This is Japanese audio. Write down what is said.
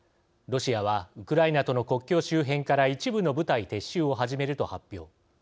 ロシアは、ウクライナとの国境周辺から一部の部隊撤収を始めると発表。